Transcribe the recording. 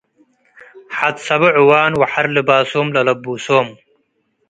ሐድ ሰቦዕ እዋን ወሐር ልባሶም ለአለቡሶም ።